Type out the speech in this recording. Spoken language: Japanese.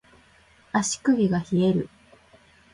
足首が冷える